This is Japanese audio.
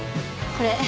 これ。